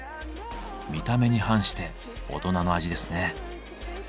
見た目に反して大人の味ですね。